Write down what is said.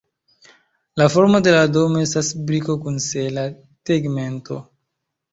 La formo de la domo estas briko kun sela tegmento.